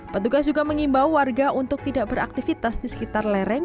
petugas juga mengimbau warga untuk tidak beraktivitas di sekitar lereng